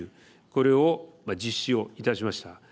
これを実施をいたしました。